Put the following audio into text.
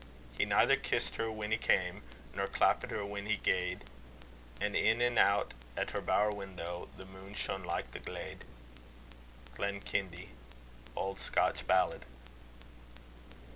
He neither kissed her when he cam' Nor clappit her when he gaed; And in and out at her bower window, The moon shone like the gleed. Glenkindie. Old Scotch Ballad.